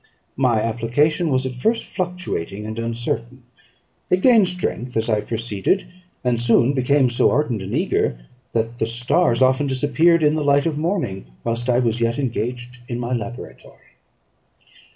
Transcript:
My application was at first fluctuating and uncertain; it gained strength as I proceeded, and soon became so ardent and eager, that the stars often disappeared in the light of morning whilst I was yet engaged in my laboratory.